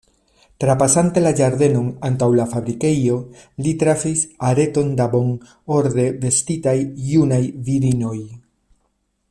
Trapasante la ĝardenon antaŭ la fabrikejo, li trafis areton da bonorde vestitaj junaj virinoj.